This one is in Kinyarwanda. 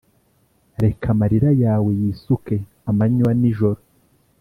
reka amarira yawe yisuke amanywa n’ijoro,